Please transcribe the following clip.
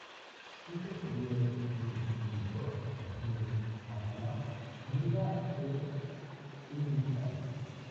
Es el periodo en el que Melchor de Macanaz llega a ser su fiscal.